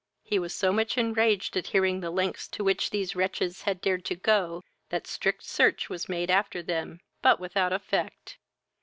He was so much enraged at hearing the lengths to which these wretches had dared to go, that strict search was made after them, but without effect.